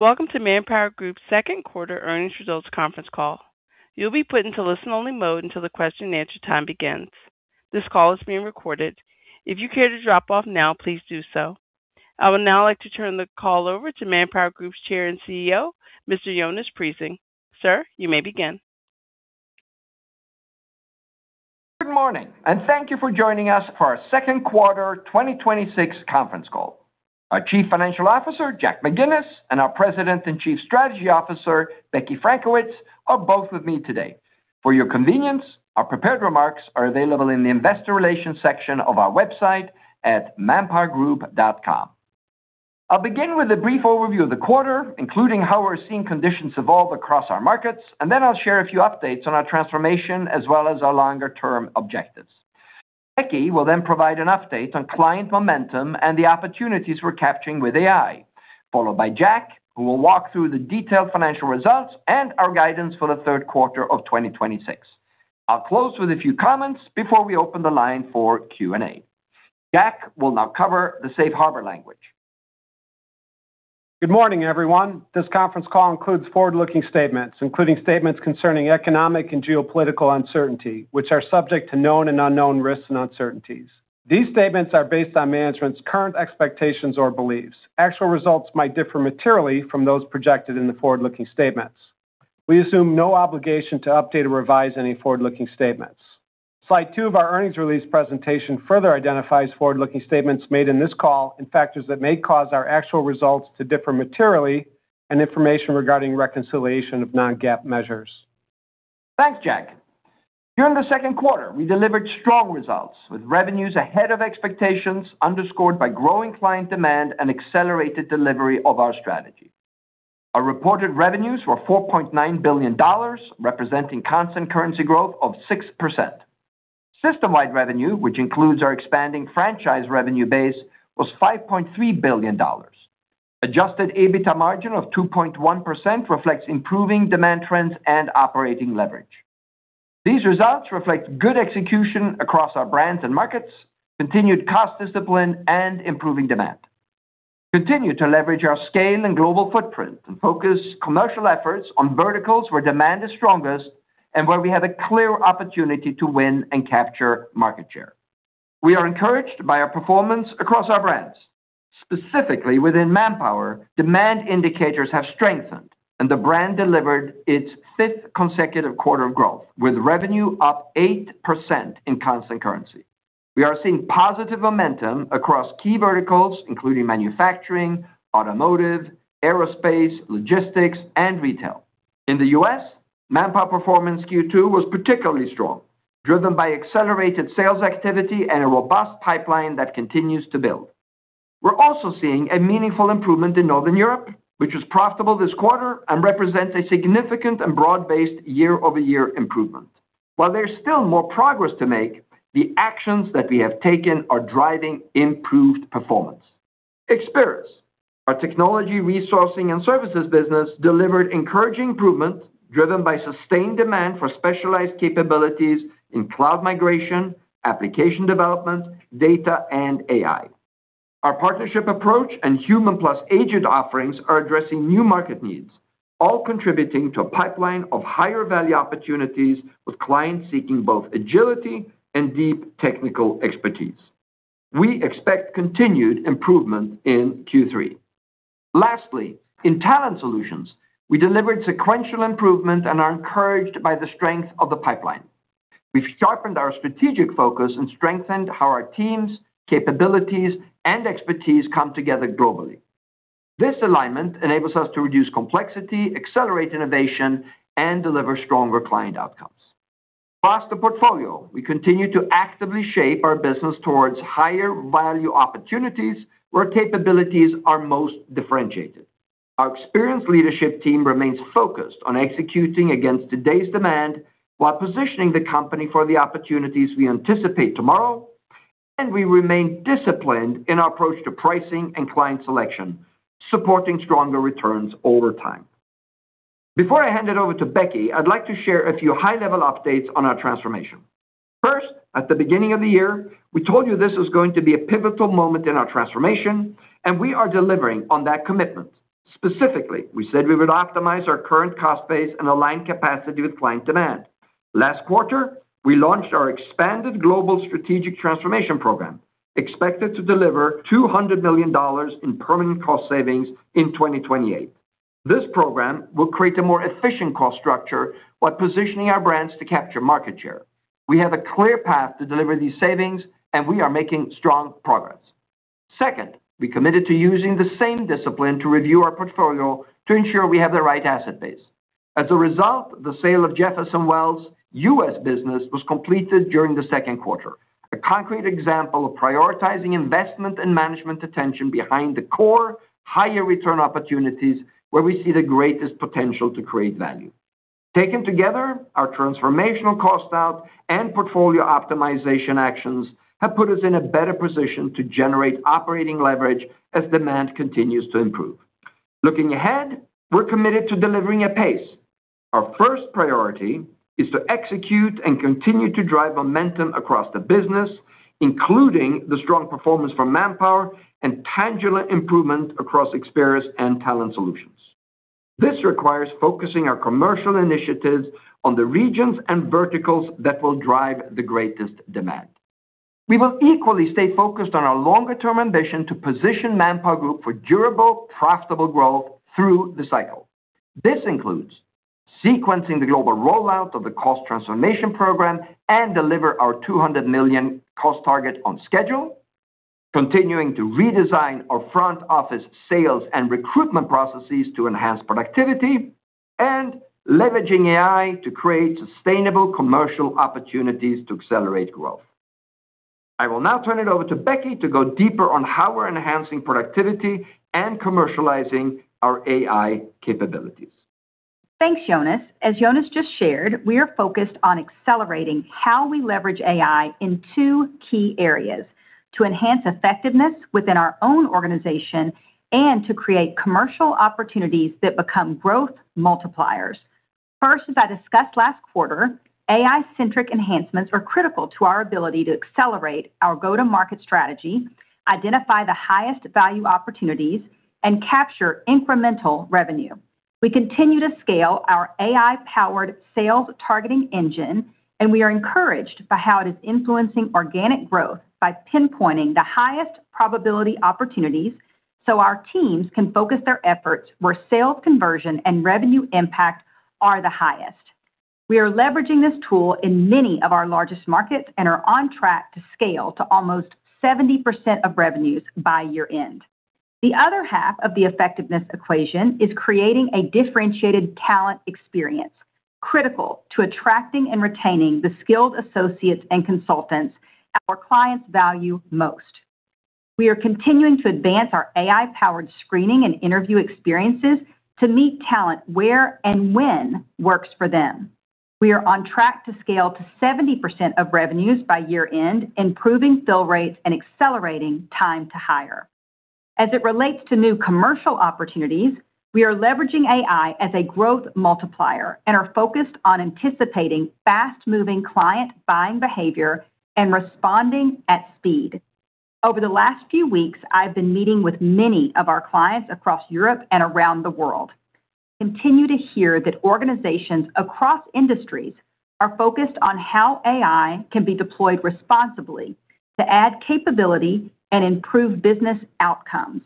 Welcome to ManpowerGroup's second quarter earnings results conference call you'll be put into listen-only mode until the question and answer time begins. This call is being recorded if you care to drop off now, please do so. I would now like to turn the call over to ManpowerGroup's Chair and CEO, Mr. Jonas Prising. Sir, you may begin. Good morning, thank you for joining us for our second quarter 2026 conference call. Our Chief Financial Officer, Jack McGinnis, and our President and Chief Strategy Officer, Becky Frankiewicz, are both with me today. For your convenience, our prepared remarks are available in the investor relations section of our website at manpowergroup.com. I'll begin with a brief overview of the quarter, including how we're seeing conditions evolve across our markets, and then I'll share a few updates on our transformation as well as our longer-term objectives. Becky will then provide an update on client momentum and the opportunities we're capturing with AI, followed by Jack, who will walk through the detailed financial results and our guidance for the third quarter of 2026. I'll close with a few comments before we open the line for Q&A. Jack will now cover the Safe Harbor language. Good morning, everyone. This conference call includes forward-looking statements, including statements concerning economic and geopolitical uncertainty, which are subject to known and unknown risks and uncertainties. These statements are based on management's current expectations or beliefs. Actual results might differ materially from those projected in the forward-looking statements. We assume no obligation to update or revise any forward-looking statements. Slide two of our earnings release presentation further identifies forward-looking statements made in this call and factors that may cause our actual results to differ materially and information regarding reconciliation of non-GAAP measures. Thanks, Jack. During the second quarter, we delivered strong results with revenues ahead of expectations underscored by growing client demand and accelerated delivery of our strategy. Our reported revenues were $4.9 billion, representing constant currency growth of 6%. System-wide revenue, which includes our expanding franchise revenue base, was $5.3 billion. Adjusted EBITDA margin of 2.1% reflects improving demand trends and operating leverage. These results reflect good execution across our brands and markets, continued cost discipline, and improving demand. We continue to leverage our scale and global footprint and focus commercial efforts on verticals where demand is strongest and where we have a clear opportunity to win and capture market share. We are encouraged by our performance across our brands. Specifically, within Manpower, demand indicators have strengthened, and the brand delivered its fifth consecutive quarter of growth, with revenue up 8% in constant currency. We are seeing positive momentum across key verticals including manufacturing, automotive, aerospace, logistics, and retail. In the U.S., Manpower performance Q2 was particularly strong, driven by accelerated sales activity and a robust pipeline that continues to build. We're also seeing a meaningful improvement in Northern Europe, which was profitable this quarter and represents a significant and broad-based year-over-year improvement. While there's still more progress to make, the actions that we have taken are driving improved performance. Experis, our technology resourcing and services business, delivered encouraging improvement driven by sustained demand for specialized capabilities in cloud migration, application development, data, and AI. Our partnership approach and human plus agent offerings are addressing new market needs, all contributing to a pipeline of higher value opportunities with clients seeking both agility and deep technical expertise we expect continued improvement in Q3. In Talent Solutions, we delivered sequential improvement and are encouraged by the strength of the pipeline. We've sharpened our strategic focus and strengthened how our teams, capabilities, and expertise come together globally. This alignment enables us to reduce complexity, accelerate innovation, and deliver stronger client outcomes. Across the portfolio, we continue to actively shape our business towards higher value opportunities where capabilities are most differentiated. Our experienced leadership team remains focused on executing against today's demand while positioning the company for the opportunities we anticipate tomorrow. We remain disciplined in our approach to pricing and client selection, supporting stronger returns over time. Before I hand it over to Becky, I'd like to share a few high-level updates on our transformation. At the beginning of the year, we told you this was going to be a pivotal moment in our transformation, and we are delivering on that commitment. Specifically, we said we would optimize our current cost base and align capacity with client demand. Last quarter, we launched our expanded global strategic transformation program, expected to deliver $200 million in permanent cost savings in 2028. This program will create a more efficient cost structure while positioning our brands to capture market share. We have a clear path to deliver these savings we are making strong progress. We committed to using the same discipline to review our portfolio to ensure we have the right asset base. As a result, the sale of Jefferson Wells' U.S. business was completed during the second quarter. A concrete example of prioritizing investment and management attention behind the core higher return opportunities where we see the greatest potential to create value. Taken together, our transformational cost out and portfolio optimization actions have put us in a better position to generate operating leverage as demand continues to improve. Looking ahead, we're committed to delivering at pace. Our first priority is to execute and continue to drive momentum across the business, including the strong performance from Manpower and tangible improvement across Experis and Talent Solutions. This requires focusing our commercial initiatives on the regions and verticals that will drive the greatest demand. We will equally stay focused on our longer-term ambition to position ManpowerGroup for durable, profitable growth through the cycle. This includes sequencing the global rollout of the cost transformation program and deliver our $200 million cost target on schedule, continuing to redesign our front-office sales and recruitment processes to enhance productivity, and leveraging AI to create sustainable commercial opportunities to accelerate growth. I will now turn it over to Becky to go deeper on how we're enhancing productivity and commercializing our AI capabilities. Thanks, Jonas. As Jonas just shared, we are focused on accelerating how we leverage AI in two key areas, to enhance effectiveness within our own organization and to create commercial opportunities that become growth multipliers. First, as I discussed last quarter, AI-centric enhancements are critical to our ability to accelerate our go-to-market strategy, identify the highest value opportunities, and capture incremental revenue. We are encouraged by how it is influencing organic growth by pinpointing the highest probability opportunities so our teams can focus their efforts where sales conversion and revenue impact are the highest. We are leveraging this tool in many of our largest markets and are on track to scale to almost 70% of revenues by year-end. The other half of the effectiveness equation is creating a differentiated talent experience, critical to attracting and retaining the skilled associates and consultants our clients value most. We are continuing to advance our AI-powered screening and interview experiences to meet talent where and when works for them. We are on track to scale to 70% of revenues by year-end, improving fill rates and accelerating time to hire. As it relates to new commercial opportunities, we are leveraging AI as a growth multiplier and are focused on anticipating fast-moving client buying behavior and responding at speed. Over the last few weeks, I've been meeting with many of our clients across Europe and around the world. I continue to hear that organizations across industries are focused on how AI can be deployed responsibly to add capability and improve business outcomes.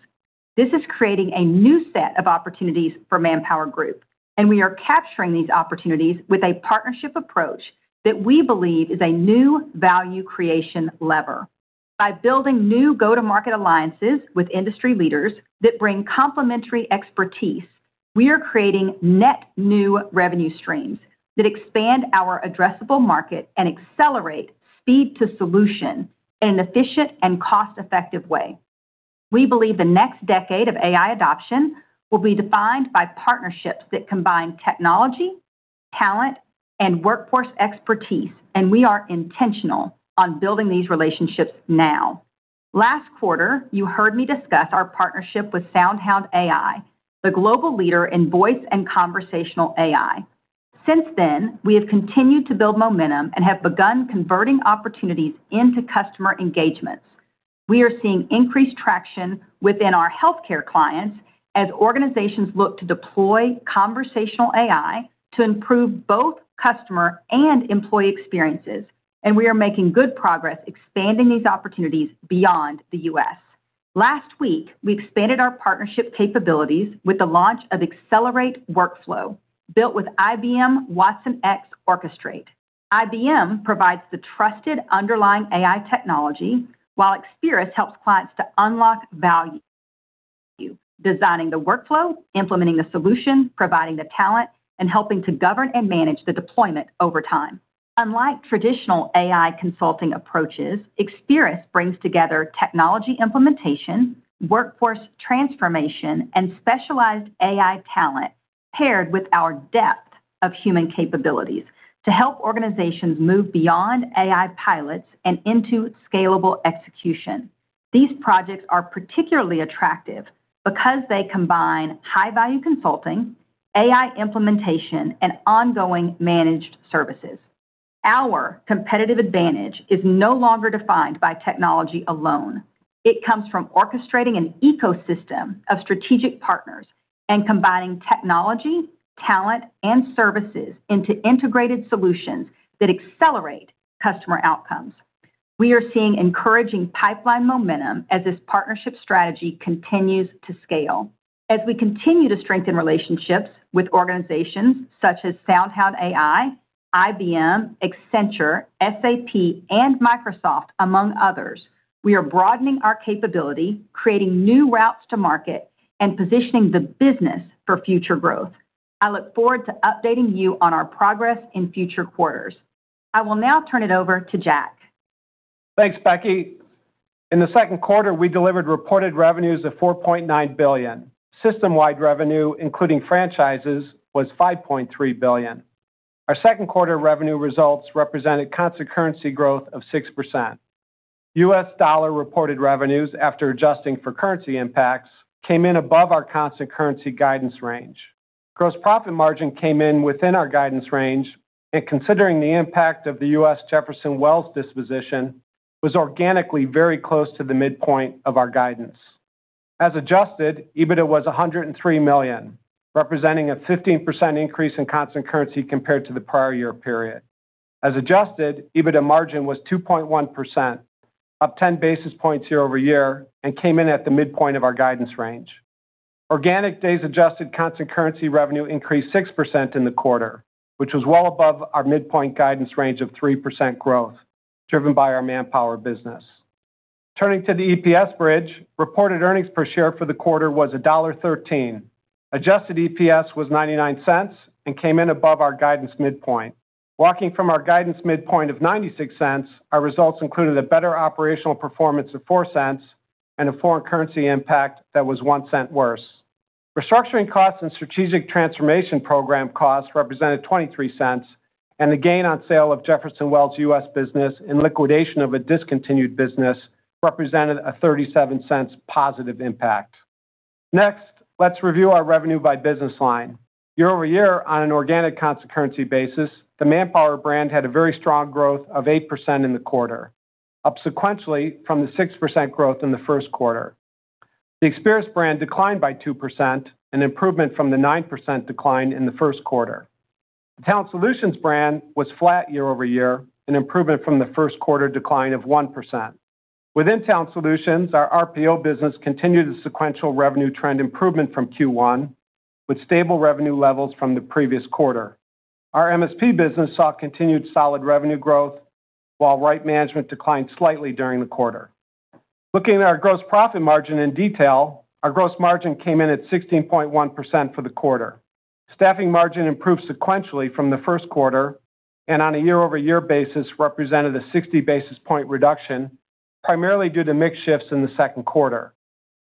This is creating a new set of opportunities for ManpowerGroup. We are capturing these opportunities with a partnership approach that we believe is a new value creation lever. By building new go-to-market alliances with industry leaders that bring complementary expertise, we are creating net new revenue streams that expand our addressable market and accelerate speed to solution in an efficient and cost-effective way. We believe the next decade of AI adoption will be defined by partnerships that combine technology, talent, and workforce expertise we are intentional on building these relationships now. Last quarter, you heard me discuss our partnership with SoundHound AI, the global leader in voice and conversational AI. Since then, we have continued to build momentum and have begun converting opportunities into customer engagements. We are seeing increased traction within our healthcare clients as organizations look to deploy conversational AI to improve both customer and employee experiences. We are making good progress expanding these opportunities beyond the U.S. Last week, we expanded our partnership capabilities with the launch of Accelerate Workflow, built with IBM watsonx Orchestrate. IBM provides the trusted underlying AI technology while Experis helps clients to unlock value, designing the workflow, implementing the solution, providing the talent, and helping to govern and manage the deployment over time. Unlike traditional AI consulting approaches, Experis brings together technology implementation, workforce transformation, and specialized AI talent, paired with our depth of human capabilities, to help organizations move beyond AI pilots and into scalable execution. These projects are particularly attractive because they combine high-value consulting, AI implementation, and ongoing managed services. Our competitive advantage is no longer defined by technology alone. It comes from orchestrating an ecosystem of strategic partners and combining technology, talent, and services into integrated solutions that accelerate customer outcomes. We are seeing encouraging pipeline momentum as this partnership strategy continues to scale. As we continue to strengthen relationships with organizations such as SoundHound AI, IBM, Accenture, SAP, Microsoft, among others, we are broadening our capability, creating new routes to market, positioning the business for future growth. I look forward to updating you on our progress in future quarters. I will now turn it over to Jack. Thanks, Becky. In the second quarter, we delivered reported revenues of $4.9 billion. System-wide revenue, including franchises, was $5.3 billion. Our second quarter revenue results represented constant currency growth of 6%. U.S. dollar reported revenues after adjusting for currency impacts came in above our constant currency guidance range. Gross profit margin came in within our guidance range. Considering the impact of the U.S. Jefferson Wells disposition, it was organically very close to the midpoint of our guidance. As adjusted, EBITDA was $103 million, representing a 15% increase in constant currency compared to the prior year period. As adjusted, EBITDA margin was 2.1%, up 10 basis points year-over-year, and came in at the midpoint of our guidance range. Organic days adjusted constant currency revenue increased 6% in the quarter, which was well above our midpoint guidance range of 3% growth, driven by our Manpower business. Turning to the EPS bridge, reported earnings per share for the quarter was $1.13 adjusted EPS was $0.99 and came in above our guidance midpoint. Walking from our guidance midpoint of $0.96, our results included a better operational performance of $0.04 and a foreign currency impact that was $0.01 worse. Restructuring costs and strategic transformation program costs represented $0.23. The gain on sale of Jefferson Wells U.S. business and liquidation of a discontinued business represented a $0.37 positive impact. Next, let's review our revenue by business line year-over-year on an organic constant currency basis, the Manpower brand had a very strong growth of 8% in the quarter, up sequentially from the 6% growth in the first quarter. The Experis brand declined by 2%, an improvement from the 9% decline in the first quarter. The Talent Solutions brand was flat year-over-year, an improvement from the first quarter decline of 1%. Within Talent Solutions, our RPO business continued a sequential revenue trend improvement from Q1, with stable revenue levels from the previous quarter. Our MSP business saw continued solid revenue growth, while Right Management declined slightly during the quarter. Looking at our gross profit margin in detail, our gross margin came in at 16.1% for the quarter. Staffing margin improved sequentially from the first quarter, and on a year-over-year basis represented a 60-basis point reduction, primarily due to mix shifts in the second quarter.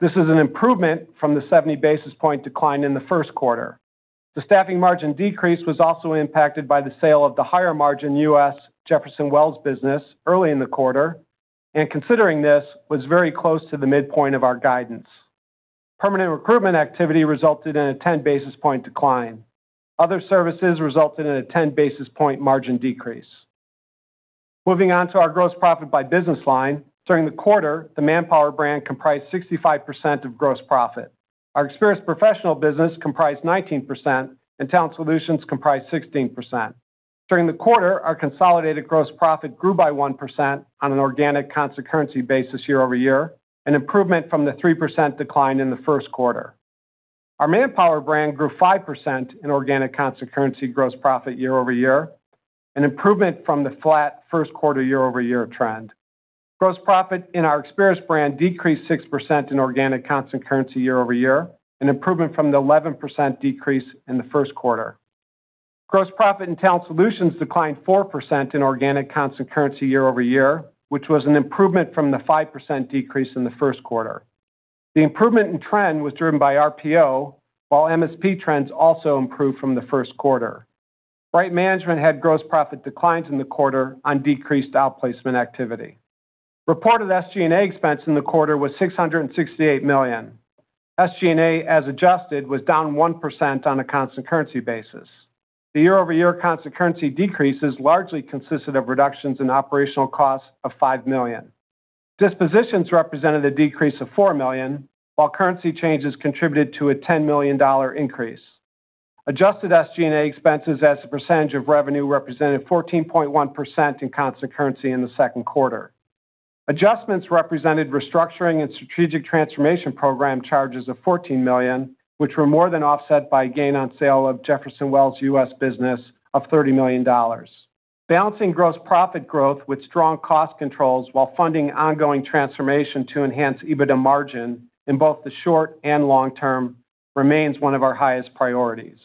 This is an improvement from the 70-basis point decline in the first quarter. The staffing margin decrease was also impacted by the sale of the higher margin U.S. Jefferson Wells business early in the quarter, and considering this, was very close to the midpoint of our guidance. Permanent recruitment activity resulted in a 10-basis point decline other services resulted in a 10-basis point margin decrease. Moving on to our gross profit by business line. During the quarter, the Manpower brand comprised 65% of gross profit. Our Experis professional business comprised 19%, and Talent Solutions comprised 16%. During the quarter, our consolidated gross profit grew by 1% on an organic constant currency basis year-over-year, an improvement from the 3% decline in the first quarter. Our Manpower brand grew 5% in organic constant currency gross profit year-over-year, an improvement from the flat first quarter year-over-year trend. Gross profit in our Experis brand decreased 6% in organic constant currency year-over-year, an improvement from the 11% decrease in the first quarter. Gross profit in Talent Solutions declined 4% in organic constant currency year-over-year, which was an improvement from the 5% decrease in the first quarter. The improvement in trend was driven by RPO, while MSP trends also improved from the first quarter. Right Management had gross profit declines in the quarter on decreased outplacement activity. Reported SG&A expense in the quarter was $668 million. SG&A, as adjusted, was down 1% on a constant currency basis. The year-over-year constant currency decreases largely consisted of reductions in operational costs of $5 million. Dispositions represented a decrease of $4 million, while currency changes contributed to a $10 million increase. Adjusted SG&A expenses as a percentage of revenue represented 14.1% in constant currency in the second quarter. Adjustments represented restructuring and strategic transformation program charges of $14 million, which were more than offset by gain on sale of Jefferson Wells U.S. business of $30 million. Balancing gross profit growth with strong cost controls while funding ongoing transformation to enhance EBITDA margin in both the short and long term remains one of our highest priorities.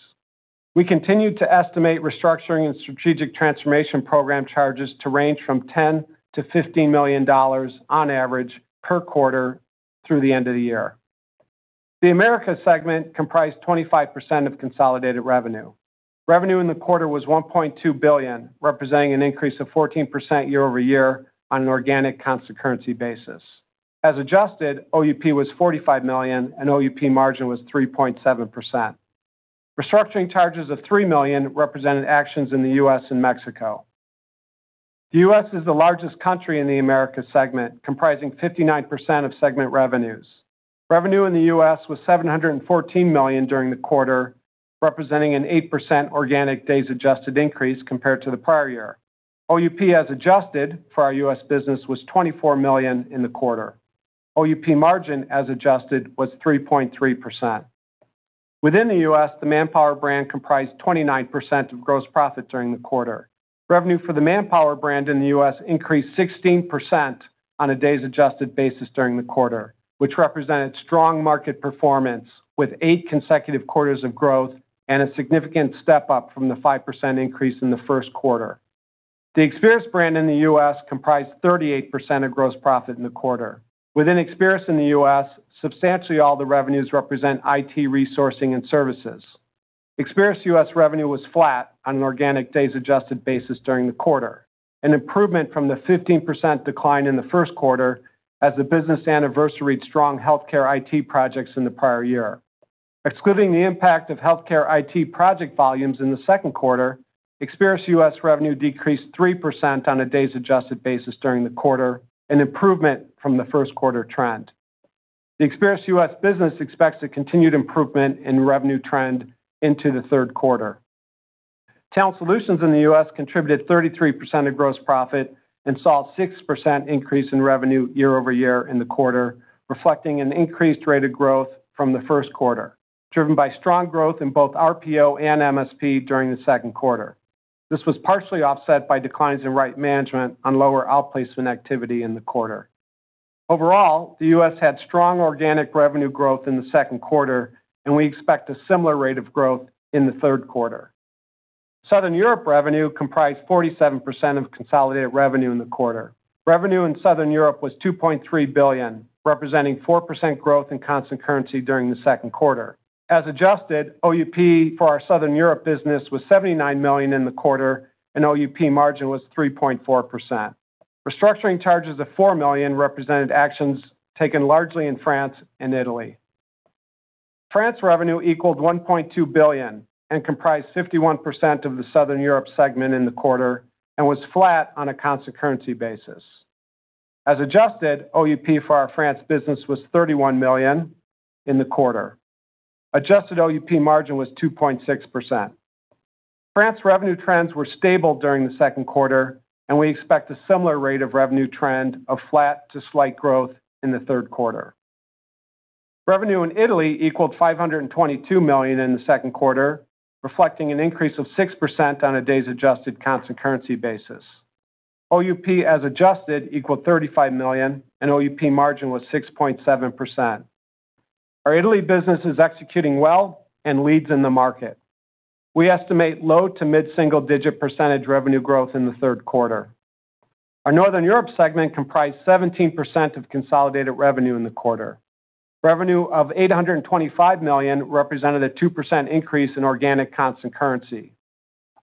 We continue to estimate restructuring and strategic transformation program charges to range from $10 million-$15 million on average per quarter through the end of the year. The Americas segment comprised 25% of consolidated revenue. Revenue in the quarter was $1.2 billion, representing an increase of 14% year-over-year on an organic constant currency basis. As adjusted, OUP was $45 million, and OUP margin was 3.7%. Restructuring charges of $3 million represented actions in the U.S. and Mexico. The U.S. is the largest country in the Americas segment, comprising 59% of segment revenues. Revenue in the U.S. was $714 million during the quarter, representing an 8% organic days adjusted increase compared to the prior year. OUP as adjusted for our U.S. business was $24 million in the quarter. OUP margin as adjusted was 3.3%. Within the U.S., the Manpower brand comprised 29% of gross profit during the quarter. Revenue for the Manpower brand in the U.S. increased 16% on a days adjusted basis during the quarter, which represented strong market performance with eight consecutive quarters of growth and a significant step-up from the 5% increase in the first quarter. The Experis brand in the U.S. comprised 38% of gross profit in the quarter within Experis in the U.S., substantially all the revenues represent IT resourcing and services. Experis U.S. revenue was flat on an organic days adjusted basis during the quarter, an improvement from the 15% decline in the first quarter as the business anniversaried strong healthcare IT projects in the prior year. Excluding the impact of healthcare IT project volumes in the second quarter, Experis U.S. revenue decreased 3% on a days adjusted basis during the quarter, an improvement from the first quarter trend. The Experis U.S. business expects a continued improvement in revenue trend into the third quarter. Talent Solutions in the U.S. contributed 33% of gross profit and saw a 6% increase in revenue year-over-year in the quarter, reflecting an increased rate of growth from the first quarter, driven by strong growth in both RPO and MSP during the second quarter. This was partially offset by declines in Right Management on lower outplacement activity in the quarter. Overall, the U.S. had strong organic revenue growth in the second quarter, and we expect a similar rate of growth in the third quarter. Southern Europe revenue comprised 47% of consolidated revenue in the quarter. Revenue in Southern Europe was $2.3 billion, representing 4% growth in constant currency during the second quarter. As adjusted, OUP for our Southern Europe business was $79 million in the quarter, and OUP margin was 3.4%. Restructuring charges of $4 million represented actions taken largely in France and Italy. France revenue equaled $1.2 billion and comprised 51% of the Southern Europe segment in the quarter and was flat on a constant currency basis. As adjusted, OUP for our France business was $31 million in the quarter adjusted OUP margin was 2.6%. France revenue trends were stable during the second quarter, and we expect a similar rate of revenue trend of flat to slight growth in the third quarter. Revenue in Italy equaled $522 million in the second quarter, reflecting an increase of 6% on a days adjusted constant currency basis. OUP as adjusted equaled $35 million, and OUP margin was 6.7%. Our Italy business is executing well and leads in the market. We estimate low to mid-single digit percentage revenue growth in the third quarter. Our Northern Europe segment comprised 17% of consolidated revenue in the quarter. Revenue of $825 million represented a 2% increase in organic constant currency.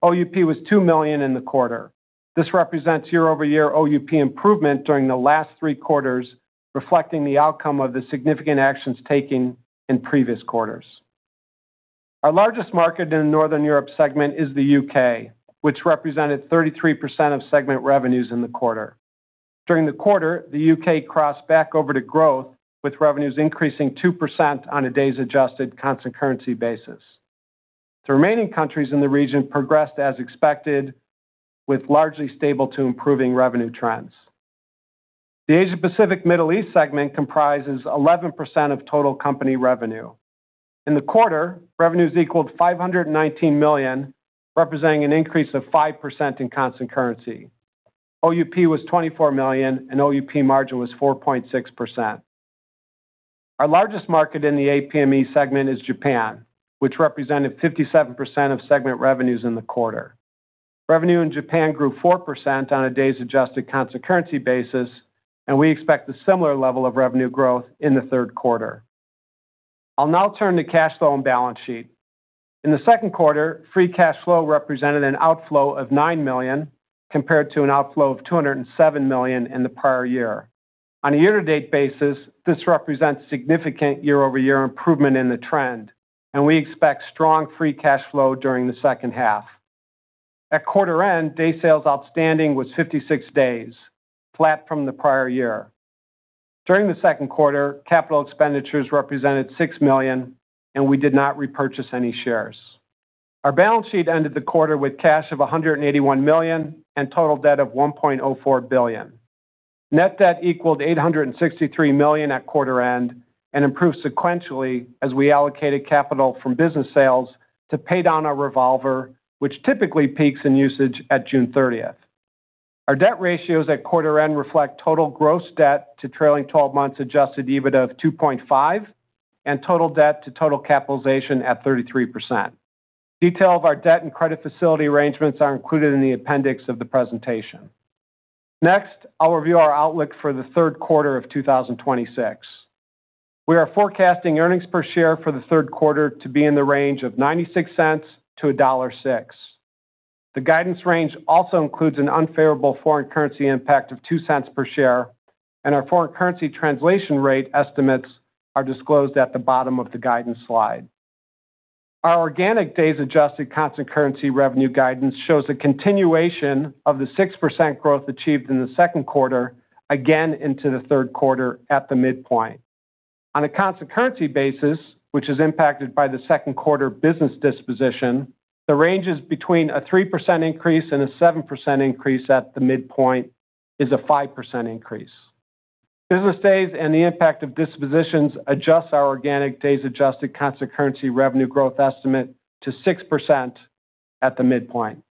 OUP was $2 million in the quarter. This represents year-over-year OUP improvement during the last three quarters, reflecting the outcome of the significant actions taken in previous quarters. Our largest market in the Northern Europe segment is the U.K., which represented 33% of segment revenues in the quarter. During the quarter, the U.K. crossed back over to growth, with revenues increasing 2% on a days adjusted constant currency basis. The remaining countries in the region progressed as expected with largely stable to improving revenue trends. The Asia-Pacific Middle East segment comprises 11% of total company revenue. In the quarter, revenues equaled $519 million, representing an increase of 5% in constant currency. OUP was $24 million, and OUP margin was 4.6%. Our largest market in the APME segment is Japan, which represented 57% of segment revenues in the quarter. Revenue in Japan grew 4% on a days adjusted constant currency basis, and we expect a similar level of revenue growth in the third quarter. I'll now turn to cash flow and balance sheet. In the second quarter, free cash flow represented an outflow of $9 million, compared to an outflow of $207 million in the prior year. On a year-to-date basis, this represents significant year-over-year improvement in the trend, and we expect strong free cash flow during the second half. At quarter end, days sales outstanding was 56 days, flat from the prior year. During the second quarter, capital expenditures represented $6 million, and we did not repurchase any shares. Our balance sheet ended the quarter with cash of $181 million and total debt of $1.04 billion. Net debt equaled $863 million at quarter end and improved sequentially as we allocated capital from business sales to pay down our revolver, which typically peaks in usage at June 30th. Our debt ratios at quarter end reflect total gross debt to trailing 12 months adjusted EBIT of 2.5x and total debt to total capitalization at 33%. Detail of our debt and credit facility arrangements are included in the appendix of the presentation. Next, I'll review our outlook for the third quarter of 2026 we are forecasting earnings per share for the third quarter to be in the range of $0.96-$1.06. The guidance range also includes an unfavorable foreign currency impact of $0.02 per share, and our foreign currency translation rate estimates are disclosed at the bottom of the guidance slide. Our organic days adjusted constant currency revenue guidance shows a continuation of the 6% growth achieved in the second quarter, again into the third quarter at the midpoint. On a constant currency basis, which is impacted by the second quarter business disposition, the range is between a 3% increase and a 7% increase at the midpoint is a 5% increase. Business days and the impact of dispositions adjust our organic days adjusted constant currency revenue growth estimate to 6% at the midpoint.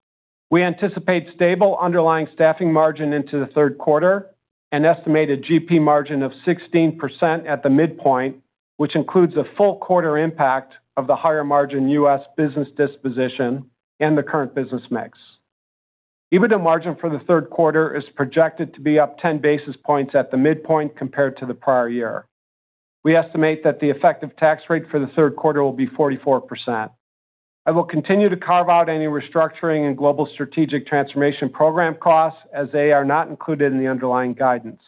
We anticipate stable underlying staffing margin into the third quarter, an estimated GP margin of 16% at the midpoint, which includes a full quarter impact of the higher margin U.S. business disposition and the current business mix. EBITDA margin for the third quarter is projected to be up 10 basis points at the midpoint compared to the prior year. We estimate that the effective tax rate for the third quarter will be 44%. I will continue to carve out any restructuring in global strategic transformation program costs, as they are not included in the underlying guidance.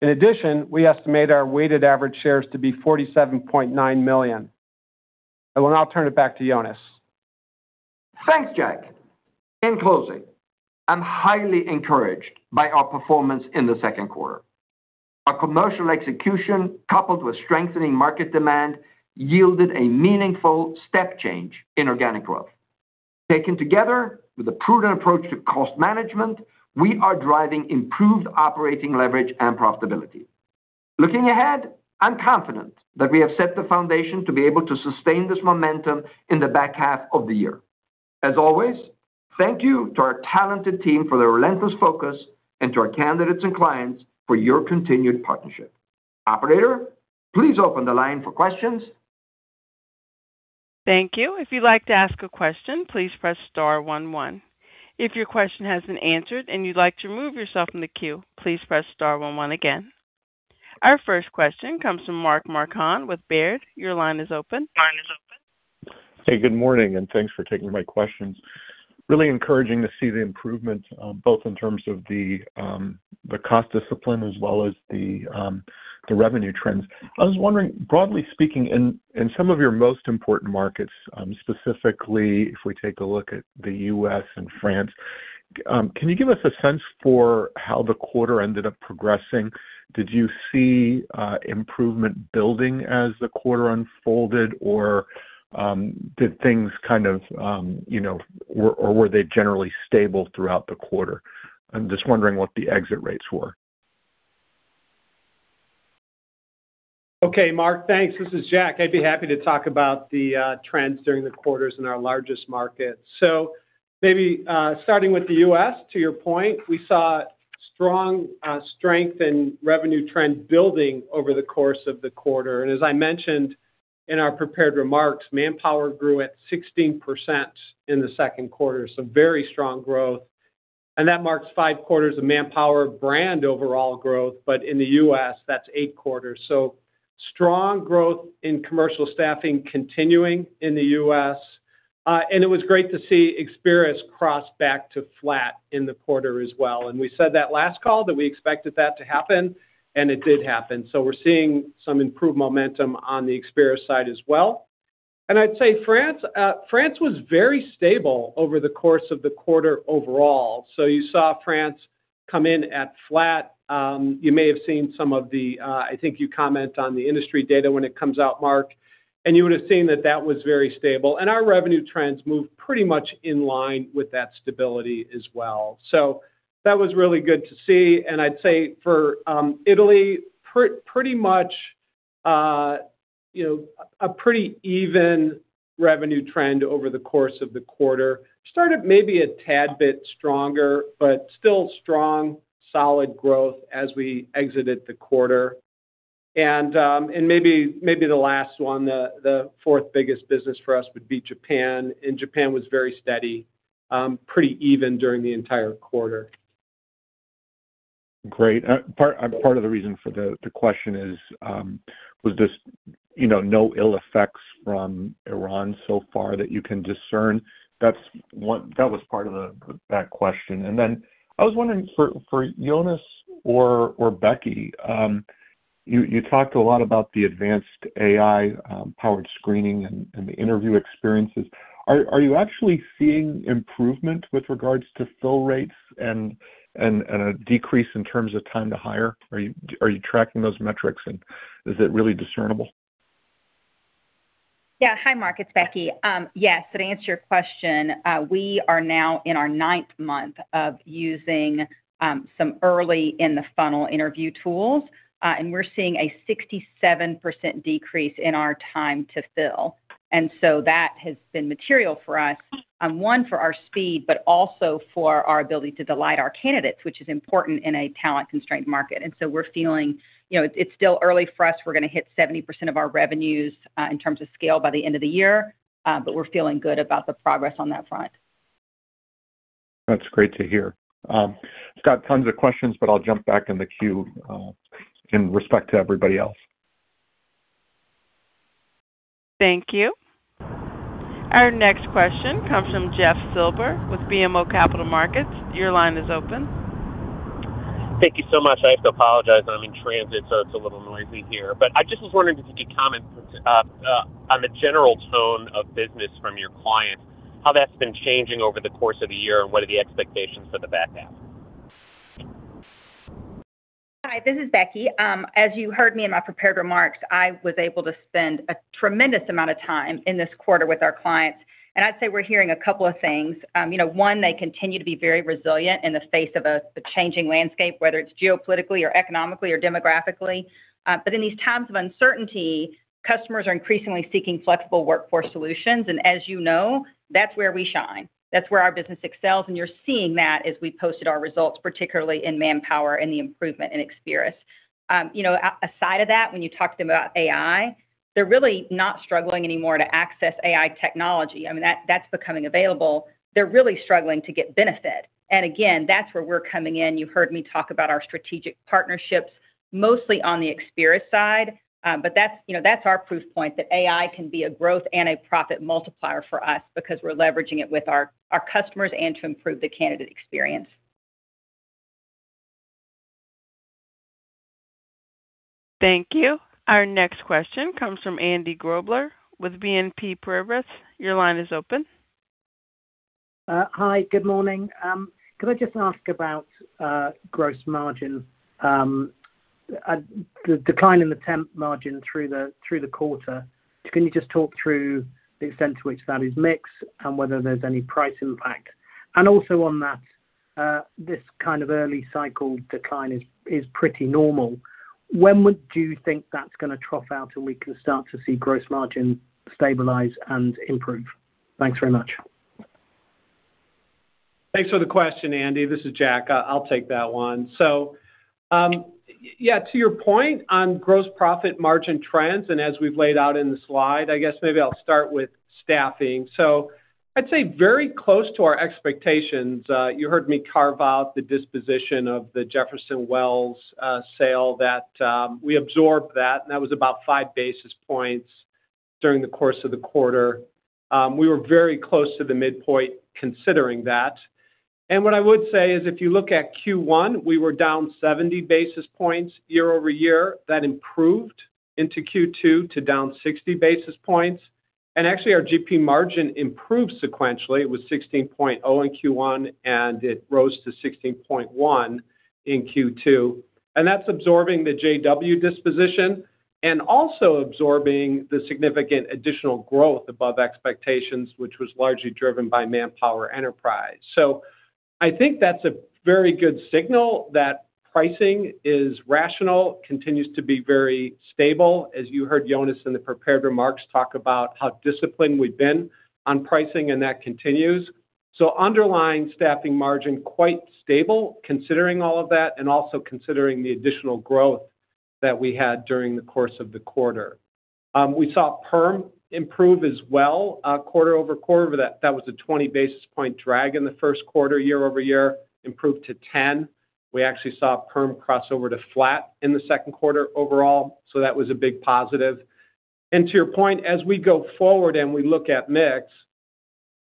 In addition, we estimate our weighted average shares to be 47.9 million. I will now turn it back to Jonas. Thanks, Jack. In closing, I'm highly encouraged by our performance in the second quarter. Our commercial execution, coupled with strengthening market demand, yielded a meaningful step change in organic growth. Taken together with a prudent approach to cost management, we are driving improved operating leverage and profitability. Looking ahead, I'm confident that we have set the foundation to be able to sustain this momentum in the back half of the year. As always, thank you to our talented team for their relentless focus and to our candidates and clients for your continued partnership. Operator, please open the line for questions. Thank you. If you'd like to ask a question, please press star one one. If your question has been answered and you'd like to remove yourself from the queue, please press star one one again. Our first question comes from Mark Marcon with Baird. Your line is open. Hey, good morning, and thanks for taking my questions. Really encouraging to see the improvements, both in terms of the cost discipline as well as the revenue trends. I was wondering, broadly speaking, in some of your most important markets, specifically if we take a look at the U.S. and France, can you give us a sense for how the quarter ended up progressing? Did you see improvement building as the quarter unfolded, or were they generally stable throughout the quarter? I'm just wondering what the exit rates were. Okay, Mark. Thanks. This is Jack. I would be happy to talk about the trends during the quarters in our largest markets. Maybe starting with the U.S., to your point, we saw strong strength in revenue trend building over the course of the quarter. As I mentioned in our prepared remarks, Manpower grew at 16% in the second quarter, very strong growth. That marks five quarters of Manpower brand overall growth. In the U.S., that is eight quarters. Strong growth in commercial staffing continuing in the U.S. It was great to see Experis cross back to flat in the quarter as well. We said that last call, that we expected that to happen, and it did happen. We are seeing some improved momentum on the Experis side as well. I would say France was very stable over the course of the quarter overall. You saw France come in at flat. You may have seen some of the, I think you comment on the industry data when it comes out, Mark. You would have seen that that was very stable, and our revenue trends moved pretty much in line with that stability as well. That was really good to see. I would say for Italy, a pretty even revenue trend over the course of the quarter. Started maybe a tad bit stronger, but still strong, solid growth as we exited the quarter. Maybe the last one, the fourth biggest business for us would be Japan, and Japan was very steady, pretty even during the entire quarter. Great. Part of the reason for the question is, was this no ill effects from Iran so far that you can discern? That was part of that question. Then I was wondering for Jonas or Becky, you talked a lot about the advanced AI-powered screening and the interview experiences. Are you actually seeing improvement with regards to fill rates and a decrease in terms of time to hire? Are you tracking those metrics, and is it really discernible? Yes. Hi, Mark. It is Becky. Yes, to answer your question, we are now in our ninth month of using some early in-the-funnel interview tools. We are seeing a 67% decrease in our time to fill that has been material for us, one, for our speed, but also for our ability to delight our candidates, which is important in a talent-constrained market. We are feeling it is still early for us we are going to hit 70% of our revenues in terms of scale by the end of the year. We are feeling good about the progress on that front. That's great to hear. I've got tons of questions, but I'll jump back in the queue in respect to everybody else. Thank you. Our next question comes from Jeff Silber with BMO Capital Markets. Your line is open. Thank you so much. I have to apologize. I'm in transit, so it's a little noisy here. I just was wondering if you could comment on the general tone of business from your clients, how that's been changing over the course of the year, and what are the expectations for the back half? Hi, this is Becky. As you heard me in my prepared remarks, I was able to spend a tremendous amount of time in this quarter with our clients. I'd say we're hearing a couple of things. One, they continue to be very resilient in the face of a changing landscape, whether it's geopolitically or economically or demographically. In these times of uncertainty, customers are increasingly seeking flexible workforce solutions, and as you know, that's where we shine. That's where our business excels, and you're seeing that as we posted our results, particularly in Manpower and the improvement in Experis. Aside of that, when you talk to them about AI, they're really not struggling anymore to access AI technology. I mean, that's becoming available they're really struggling to get benefit. Again, that's where we're coming in. You heard me talk about our strategic partnerships, mostly on the Experis side. That's our proof point that AI can be a growth and a profit multiplier for us because we're leveraging it with our customers and to improve the candidate experience. Thank you. Our next question comes from Andy Grobler with BNP Paribas. Your line is open. Hi. Good morning. Could I just ask about gross margin? The decline in the temp margin through the quarter, can you just talk through the extent to which that is mix and whether there's any price impact? Also on that, this kind of early cycle decline is pretty normal. When would you think that's going to trough out and we can start to see gross margin stabilize and improve? Thanks very much. Thanks for the question, Andy. This is Jack. I'll take that one. Yeah. To your point on gross profit margin trends, as we've laid out in the slide, I guess maybe I'll start with staffing. I'd say very close to our expectations. You heard me carve out the disposition of the Jefferson Wells sale that we absorbed that was about five basis points during the course of the quarter we were very close to the midpoint considering that. What I would say is, if you look at Q1, we were down 70 basis points year-over-year. That improved into Q2 to down 60 basis points. Actually, our GP margin improved sequentially. It was 16.0% in Q1, and it rose to 16.1% in Q2. That's absorbing the JW disposition and also absorbing the significant additional growth above expectations, which was largely driven by Manpower Enterprise. I think that's a very good signal that pricing is rational, continues to be very stable. As you heard Jonas in the prepared remarks, talk about how disciplined we've been on pricing, and that continues. Underlying staffing margin, quite stable considering all of that and also considering the additional growth that we had during the course of the quarter. We saw Perm improve as well quarter-over-quarter. That was a 20 basis point drag in the first quarter, year-over-year, improved to 10. We actually saw Perm cross over to flat in the second quarter overall. That was a big positive. To your point, as we go forward and we look at mix,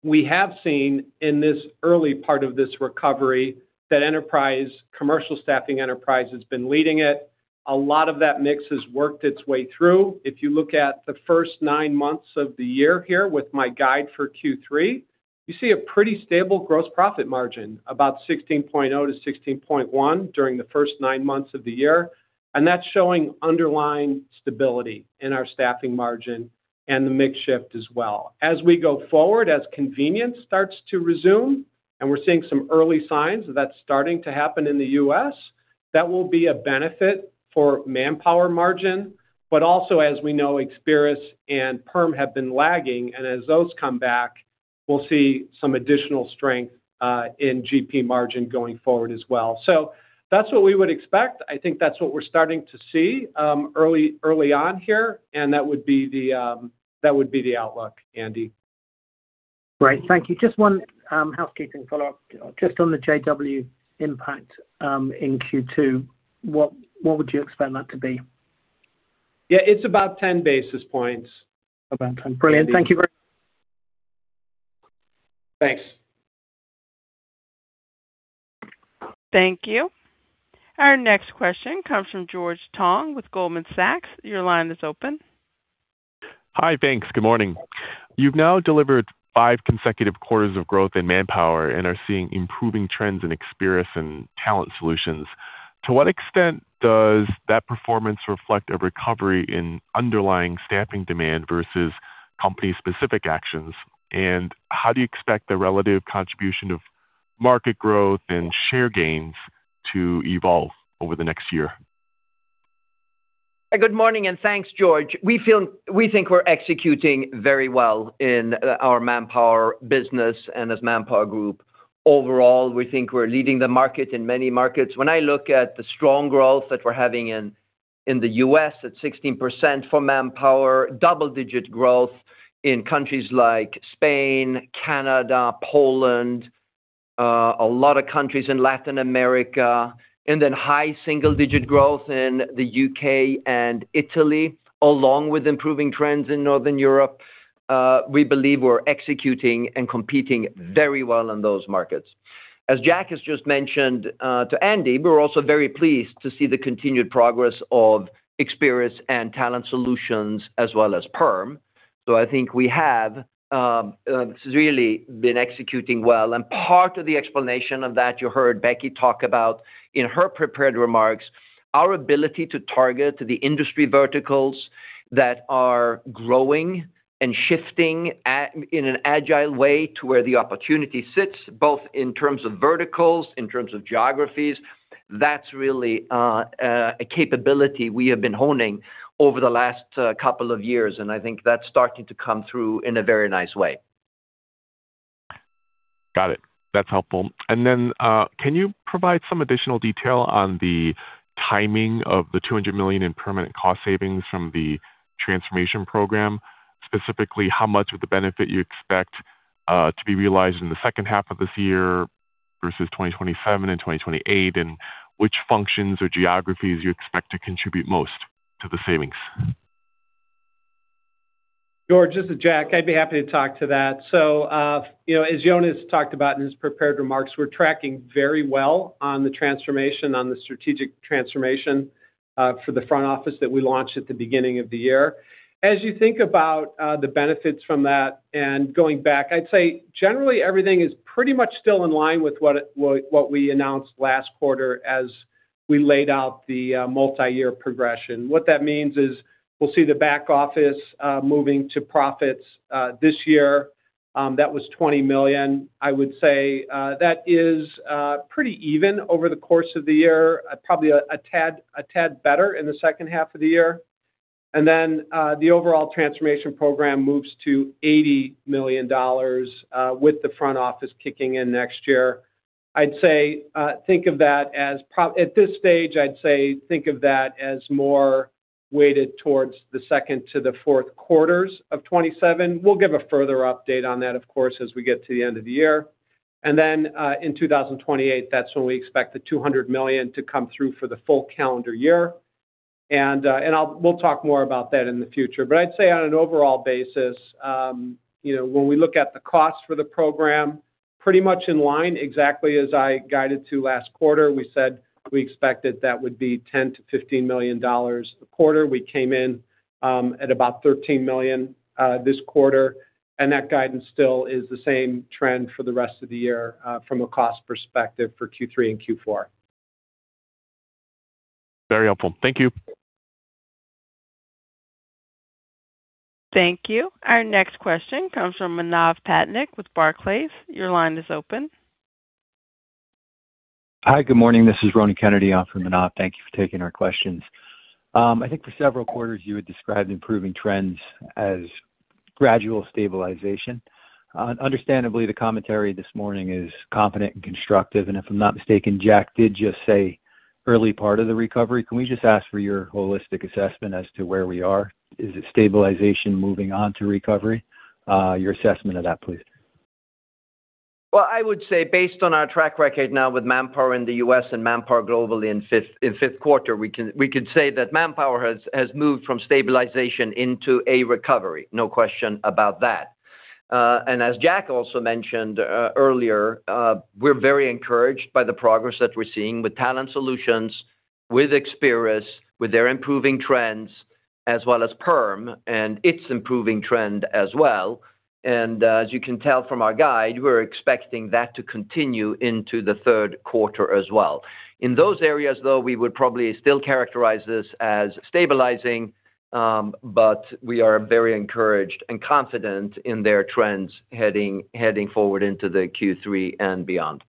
we have seen in this early part of this recovery that enterprise commercial staffing enterprise has been leading it. A lot of that mix has worked its way through. If you look at the first nine months of the year here with my guide for Q3, you see a pretty stable gross profit margin, about 16.0%-16.1% during the first nine months of the year. That's showing underlying stability in our staffing margin and the mix shift as well. As we go forward, as contingent starts to resume, and we're seeing some early signs of that starting to happen in the U.S., that will be a benefit for Manpower margin. Also, as we know, Experis and Perm have been lagging, and as those come back, we'll see some additional strength in GP margin going forward as well. That's what we would expect. I think that's what we're starting to see early on here, and that would be the outlook, Andy. Great. Thank you. Just one housekeeping follow-up. Just on the JW impact, in Q2, what would you expect that to be? Yeah, it's about 10 basis points. About 10. Brilliant. Thank you very- Thanks. Thank you. Our next question comes from George Tong with Goldman Sachs. Your line is open. Hi, thanks. Good morning. You've now delivered five consecutive quarters of growth in Manpower and are seeing improving trends in Experis and Talent Solutions. To what extent does that performance reflect a recovery in underlying staffing demand versus company-specific actions? How do you expect the relative contribution of market growth and share gains to evolve over the next year? Good morning, and thanks, George. We think we're executing very well in our Manpower business and as ManpowerGroup. Overall, we think we're leading the market in many markets. When I look at the strong growth that we're having in the U.S., at 16% for Manpower, double-digit growth in countries like Spain, Canada, Poland, a lot of countries in Latin America. High single-digit growth in the U.K. and Italy, along with improving trends in Northern Europe. We believe we're executing and competing very well in those markets. As Jack has just mentioned to Andy, we're also very pleased to see the continued progress of Experis and Talent Solutions as well as Perm. I think we have really been executing well, and part of the explanation of that, you heard Becky talk about in her prepared remarks, our ability to target the industry verticals that are growing and shifting in an agile way to where the opportunity sits, both in terms of verticals, in terms of geographies. That's really a capability we have been honing over the last couple of years, and I think that's starting to come through in a very nice way. Got it. That's helpful. Can you provide some additional detail on the timing of the $200 million in permanent cost savings from the transformation program? Specifically, how much of the benefit you expect to be realized in the second half of this year versus 2027 and 2028, and which functions or geographies you expect to contribute most to the savings? George, this is Jack. I'd be happy to talk to that. As Jonas talked about in his prepared remarks, we're tracking very well on the strategic transformation for the front office that we launched at the beginning of the year. As you think about the benefits from that and going back, I'd say generally everything is pretty much still in line with what we announced last quarter as we laid out the multi-year progression. What that means is we'll see the back office moving to profits this year. That was $20 million. I would say that is pretty even over the course of the year, probably a tad better in the second half of the year. The overall transformation program moves to $80 million with the front office kicking in next year. At this stage, I'd say think of that as more weighted towards the second to the fourth quarters of 2027. We'll give a further update on that, of course, as we get to the end of the year in 2028, that's when we expect the $200 million to come through for the full calendar year. We'll talk more about that in the future. I'd say on an overall basis, when we look at the cost for the program, pretty much in line, exactly as I guided to last quarter. We said we expected that would be $10 million-$15 million a quarter. We came in at about $13 million this quarter, and that guidance still is the same trend for the rest of the year from a cost perspective for Q3 and Q4. Very helpful. Thank you. Thank you. Our next question comes from Manav Patnaik with Barclays. Your line is open. Hi. Good morning. This is Ronan Kennedy on for Manav. Thank you for taking our questions. I think for several quarters you would describe improving trends as gradual stabilization. Understandably, the commentary this morning is confident and constructive, and if I'm not mistaken, Jack did just say early part of the recovery. Can we just ask for your holistic assessment as to where we are? Is it stabilization moving on to recovery? Your assessment of that, please. Well, I would say based on our track record now with Manpower in the U.S. and Manpower globally in fifth quarter, we could say that Manpower has moved from stabilization into a recovery. No question about that. As Jack also mentioned earlier, we're very encouraged by the progress that we're seeing with Talent Solutions, with Experis, with their improving trends, as well as Perm and its improving trend as well. As you can tell from our guide, we're expecting that to continue into the third quarter as well. In those areas, though, we would probably still characterize this as stabilizing, but we are very encouraged and confident in their trends heading forward into the Q3 and beyond.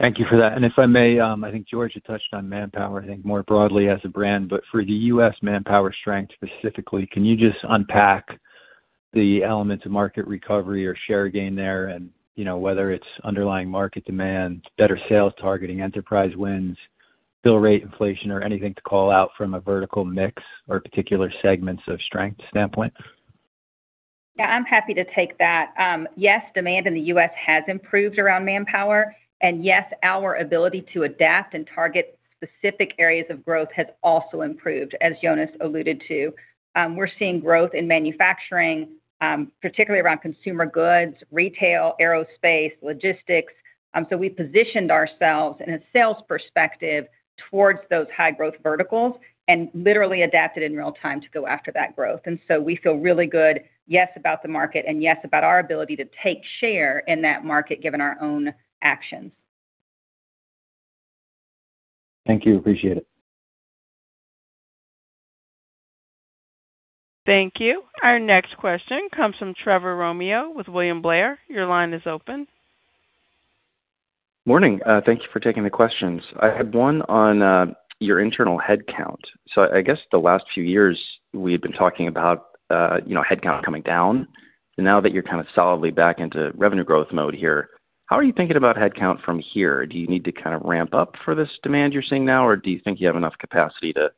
Thank you for that. If I may, I think George had touched on Manpower, I think more broadly as a brand, but for the U.S. Manpower strength specifically, can you just unpack the elements of market recovery or share gain there and whether it's underlying market demand, better sales targeting, enterprise wins, bill rate inflation or anything to call out from a vertical mix or particular segments of strength standpoint? Yeah, I'm happy to take that. Yes, demand in the U.S. has improved around Manpower. Yes, our ability to adapt and target specific areas of growth has also improved, as Jonas alluded to. We're seeing growth in manufacturing, particularly around consumer goods, retail, aerospace, logistics. We positioned ourselves in a sales perspective towards those high-growth verticals and literally adapted in real-time to go after that growth. We feel really good, yes, about the market, and yes, about our ability to take share in that market, given our own actions. Thank you. Appreciate it. Thank you. Our next question comes from Trevor Romeo with William Blair. Your line is open. Morning. Thank you for taking the questions. I had one on your internal headcount. I guess the last few years we had been talking about headcount coming down. Now that you're kind of solidly back into revenue growth mode here, how are you thinking about headcount from here? Do you need to kind of ramp up for this demand you're seeing now, or do you think you have enough capacity to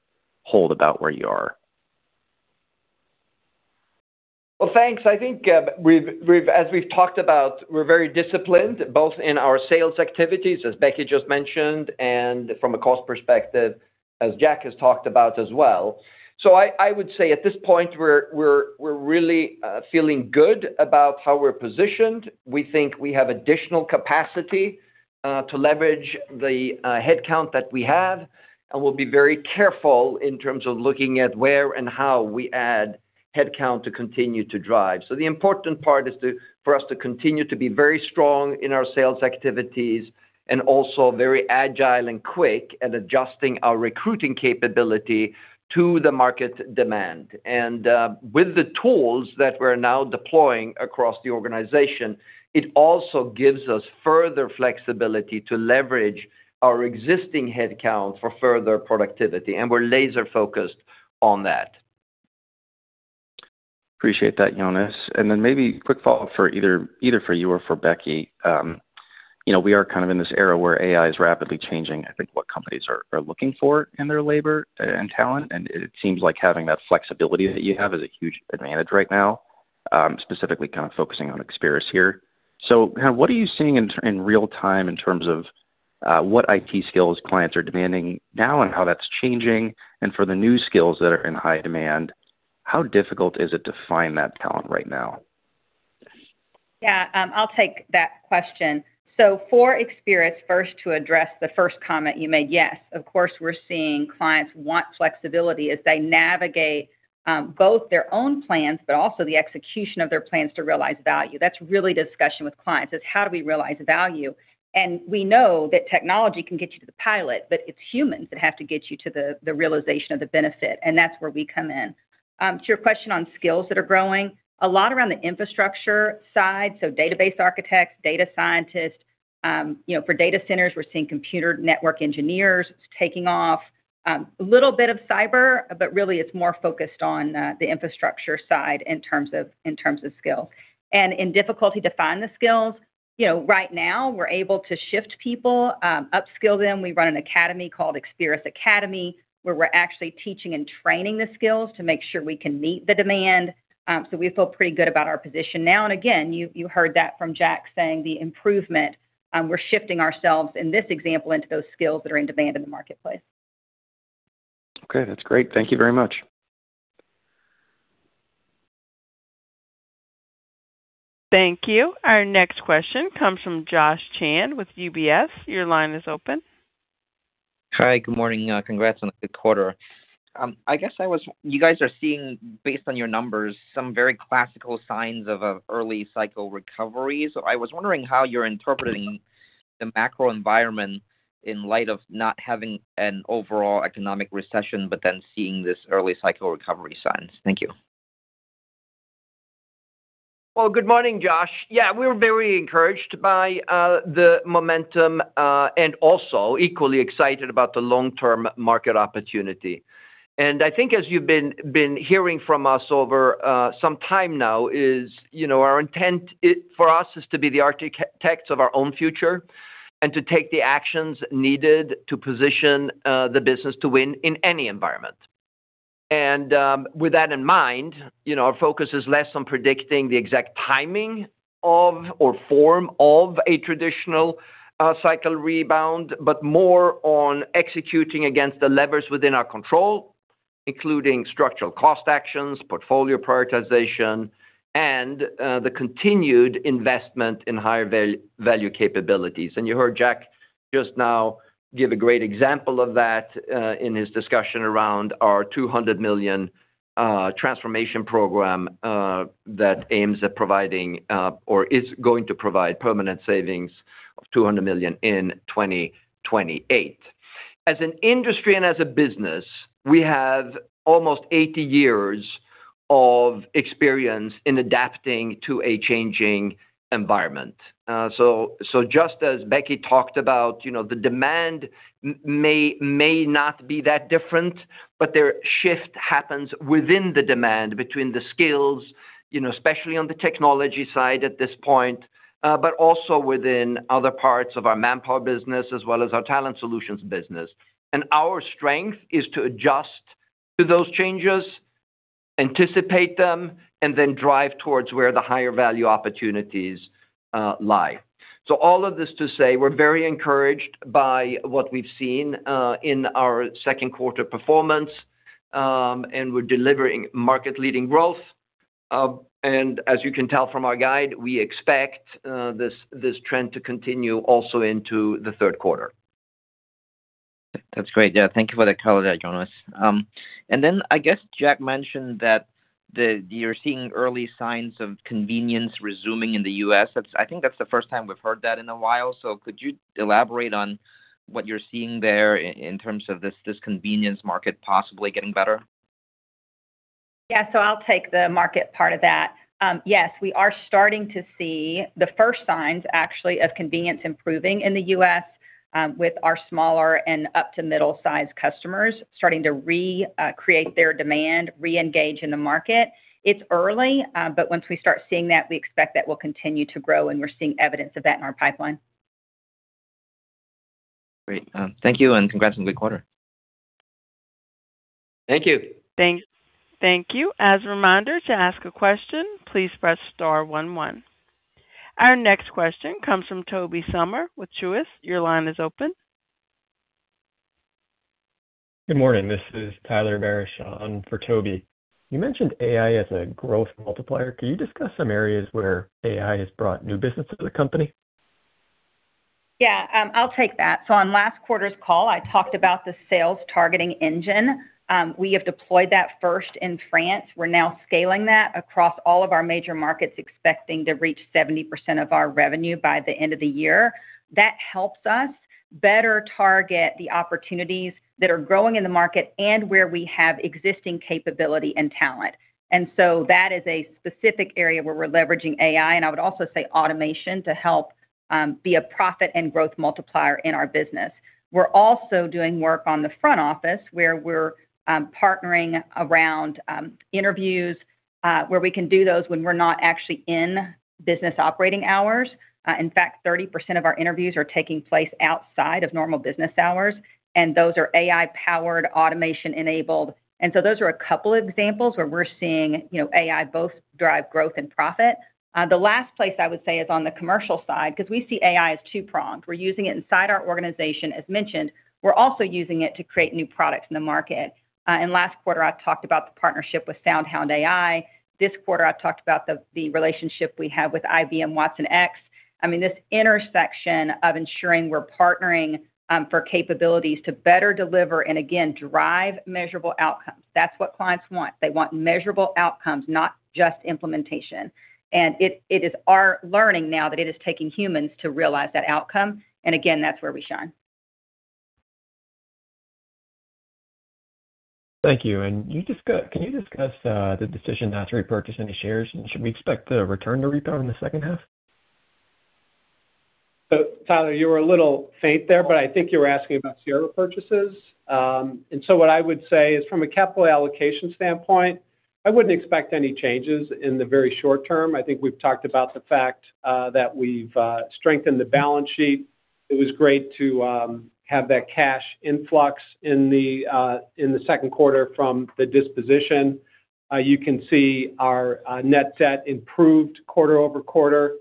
hold about where you are? Well, thanks. I think as we've talked about, we're very disciplined both in our sales activities, as Becky just mentioned, and from a cost perspective, as Jack has talked about as well. I would say at this point we're really feeling good about how we're positioned. We think we have additional capacity to leverage the headcount that we have, and we'll be very careful in terms of looking at where and how we add headcount to continue to drive. The important part is for us to continue to be very strong in our sales activities and also very agile and quick at adjusting our recruiting capability to the market demand. With the tools that we're now deploying across the organization, it also gives us further flexibility to leverage our existing headcount for further productivity, and we're laser-focused on that. Appreciate that, Jonas. Then maybe quick follow-up either for you or for Becky. We are kind of in this era where AI is rapidly changing, I think what companies are looking for in their labor and talent, and it seems like having that flexibility that you have is a huge advantage right now. Specifically kind of focusing on Experis here. What are you seeing in real time in terms of what IT skills clients are demanding now and how that's changing? For the new skills that are in high demand, how difficult is it to find that talent right now? I'll take that question. For Experis, first to address the first comment you made, yes, of course, we're seeing clients want flexibility as they navigate both their own plans but also the execution of their plans to realize value. That's really a discussion with clients, is how do we realize value? We know that technology can get you to the pilot, but it's humans that have to get you to the realization of the benefit, and that's where we come in. To your question on skills that are growing, a lot around the infrastructure side, so database architects, data scientists. For data centers, we're seeing computer network engineers taking off. A little bit of cyber, but really it's more focused on the infrastructure side in terms of skills. In difficulty to find the skills, right now we're able to shift people, upskill them. We run an academy called Experis Academy, where we're actually teaching and training the skills to make sure we can meet the demand. We feel pretty good about our position now. Again, you heard that from Jack saying the improvement, we're shifting ourselves in this example into those skills that are in demand in the marketplace. That's great. Thank you very much. Thank you. Our next question comes from Josh Chan with UBS. Your line is open. Hi, good morning. Congrats on a good quarter. I guess you guys are seeing, based on your numbers, some very classical signs of early cycle recoveries. I was wondering how you're interpreting the macro environment in light of not having an overall economic recession, seeing this early cycle recovery signs. Thank you. Well, good morning, Josh. We're very encouraged by the momentum, also equally excited about the long-term market opportunity. I think as you've been hearing from us over some time now is, our intent for us is to be the architects of our own future and to take the actions needed to position the business to win in any environment. With that in mind, our focus is less on predicting the exact timing of, or form of, a traditional cycle rebound, but more on executing against the levers within our control, including structural cost actions, portfolio prioritization, and the continued investment in higher value capabilities. You heard Jack just now give a great example of that in his discussion around our $200 million transformation program that aims at providing or is going to provide permanent savings of $200 million in 2028. As an industry and as a business, we have almost 80 years of experience in adapting to a changing environment. Just as Becky talked about, the demand may not be that different, but their shift happens within the demand between the skills, especially on the technology side at this point, but also within other parts of our Manpower business as well as our Talent Solutions business. Our strength is to adjust to those changes, anticipate them, and drive towards where the higher value opportunities lie. All of this to say, we're very encouraged by what we've seen in our second quarter performance, and we're delivering market-leading growth. As you can tell from our guide, we expect this trend to continue also into the third quarter. That's great. Yeah, thank you for that color there, Jonas. I guess Jack mentioned that you're seeing early signs of convenience resuming in the U.S. I think that's the first time we've heard that in a while. Could you elaborate on what you're seeing there in terms of this convenience market possibly getting better? Yeah, I'll take the market part of that. Yes, we are starting to see the first signs actually of convenience improving in the U.S. with our smaller and up to middle-size customers starting to recreate their demand, reengage in the market. It's early, but once we start seeing that, we expect that we'll continue to grow, and we're seeing evidence of that in our pipeline. Great. Thank you, congrats on the good quarter. Thank you. Thank you. As a reminder, to ask a question, please press *11. Our next question comes from Tobey Sommer with Truist. Your line is open. Good morning. This is Tyler Barishaw for Tobey. You mentioned AI as a growth multiplier. Can you discuss some areas where AI has brought new business to the company? Yeah. I'll take that. On last quarter's call, I talked about the sales targeting engine. We have deployed that first in France. We're now scaling that across all of our major markets, expecting to reach 70% of our revenue by the end of the year. That helps us better target the opportunities that are growing in the market and where we have existing capability and talent. That is a specific area where we're leveraging AI, and I would also say automation. Be a profit and growth multiplier in our business. We're also doing work on the front office where we're partnering around interviews, where we can do those when we're not actually in business operating hours. In fact, 30% of our interviews are taking place outside of normal business hours, and those are AI-powered, automation-enabled. Those are a couple examples where we're seeing AI both drive growth and profit. The last place I would say is on the commercial side, because we see AI as two-pronged. We're using it inside our organization, as mentioned. We're also using it to create new products in the market. In last quarter, I talked about the partnership with SoundHound AI. This quarter, I talked about the relationship we have with IBM Watsonx. This intersection of ensuring we're partnering for capabilities to better deliver and again, drive measurable outcomes. That's what clients want. They want measurable outcomes, not just implementation. It is our learning now that it is taking humans to realize that outcome. Again, that's where we shine. Thank you. Can you discuss the decision not to repurchase any shares, and should we expect the return to repo in the second half? Tyler, you were a little faint there, but I think you were asking about share repurchases. What I would say is from a capital allocation standpoint, I wouldn't expect any changes in the very short term. I think we've talked about the fact that we've strengthened the balance sheet. It was great to have that cash influx in the second quarter from the disposition. You can see our net debt improved quarter-over-quarter.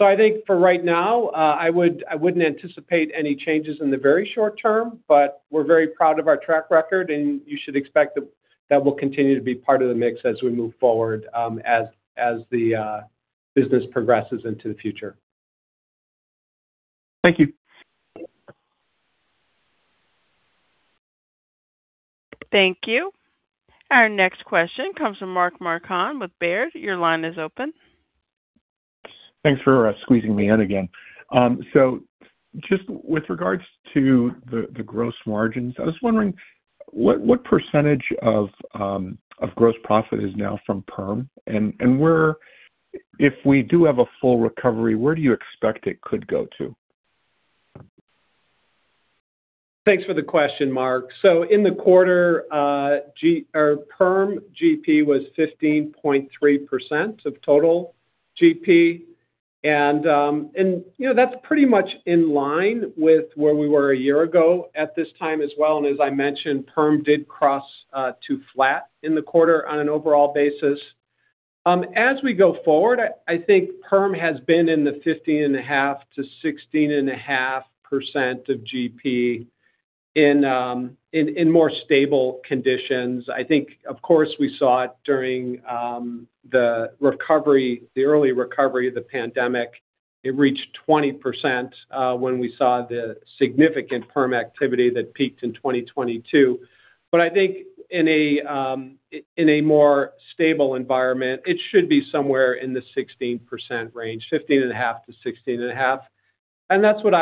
I think for right now, I wouldn't anticipate any changes in the very short term, but we're very proud of our track record, and you should expect that that will continue to be part of the mix as we move forward, as the business progresses into the future. Thank you. Thank you. Our next question comes from Mark Marcon with Baird. Your line is open. Thanks for squeezing me in again. Just with regards to the gross margins, I was wondering what percentage of gross profit is now from Perm and if we do have a full recovery, where do you expect it could go to? Thanks for the question, Mark. In the quarter, our Perm GP was 15.3% of total GP, that's pretty much in line with where we were a year ago at this time as well. As I mentioned, Perm did cross to flat in the quarter on an overall basis. As we go forward, I think Perm has been in the 15.5%-16.5% of GP in more stable conditions. I think, of course, we saw it during the early recovery of the pandemic. It reached 20% when we saw the significant Perm activity that peaked in 2022. I think in a more stable environment, it should be somewhere in the 16% range, 15.5%-16.5%. That's what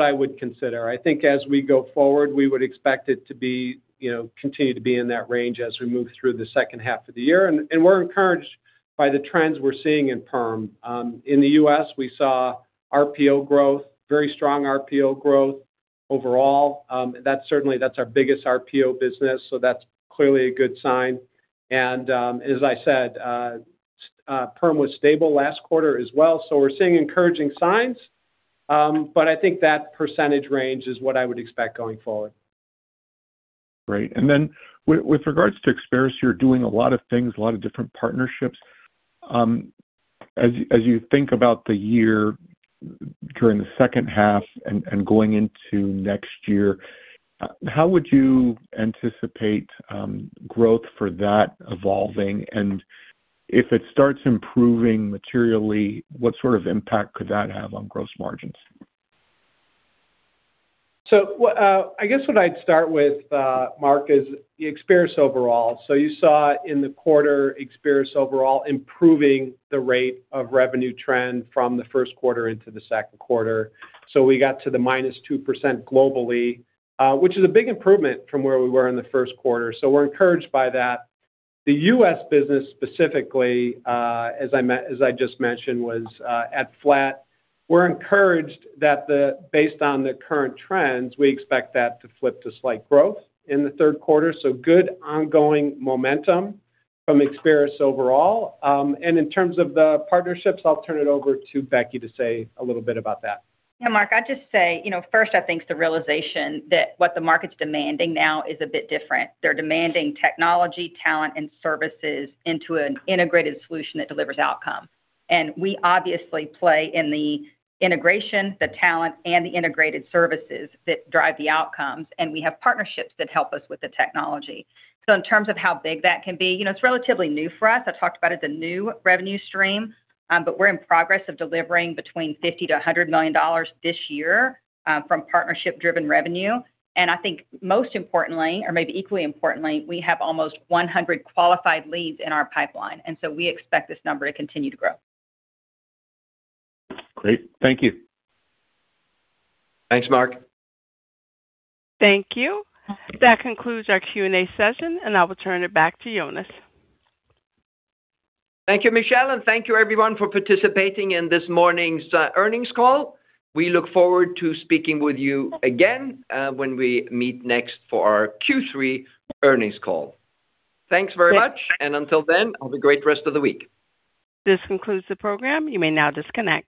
I would consider. I think as we go forward, we would expect it to continue to be in that range as we move through the second half of the year. We're encouraged by the trends we're seeing in Perm. In the U.S., we saw RPO growth, very strong RPO growth overall. That's our biggest RPO business, so that's clearly a good sign. As I said, Perm was stable last quarter as well. We're seeing encouraging signs, but I think that percentage range is what I would expect going forward. Great. With regards to Experis, you're doing a lot of things, a lot of different partnerships. As you think about the year during the second half and going into next year, how would you anticipate growth for that evolving and if it starts improving materially, what sort of impact could that have on gross margins? I guess what I'd start with, Mark, is Experis overall. You saw in the quarter, Experis overall improving the rate of revenue trend from the first quarter into the second quarter. We got to the -2% globally, which is a big improvement from where we were in the first quarter. We're encouraged by that the U.S. business specifically, as I just mentioned, was at flat. We're encouraged that based on the current trends, we expect that to flip to slight growth in the third quarter. Good ongoing momentum from Experis overall. In terms of the partnerships, I'll turn it over to Becky to say a little bit about that. Mark, I'd just say, first, I think it's the realization that what the market's demanding now is a bit different. They're demanding technology, talent, and services into an integrated solution that delivers outcome. We obviously play in the integration, the talent, and the integrated services that drive the outcomes. We have partnerships that help us with the technology. In terms of how big that can be, it's relatively new for us. I've talked about it as a new revenue stream. We're in progress of delivering between $50 million-$100 million this year from partnership-driven revenue. I think most importantly, or maybe equally importantly, we have almost 100 qualified leads in our pipeline, we expect this number to continue to grow. Great. Thank you. Thanks, Mark. Thank you. That concludes our Q&A session, and I will turn it back to Jonas. Thank you, Michelle, and thank you everyone for participating in this morning's earnings call. We look forward to speaking with you again when we meet next for our Q3 earnings call. Thanks very much, and until then, have a great rest of the week. This concludes the program. You may now disconnect.